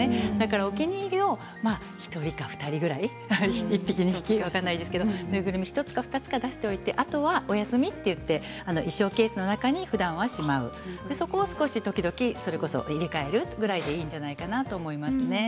お気に入りを１人か２人ぐらい１匹、２匹縫いぐるみを１つか２つ出してあとはお休みといって衣装ケースの中にふだんはしまいそこを時々、入れ替えるぐらいでいいんじゃないかなと思います。